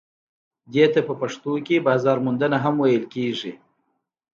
دې ته په پښتو کې بازار موندنه هم ویل کیږي.